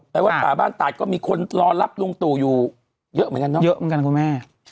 วัดป่าบ้านตาดก็มีคนรอรับลุงตู่อยู่เยอะเหมือนกันเนาะเยอะเหมือนกันคุณแม่